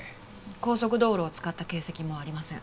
高速道路を使った形跡もありません。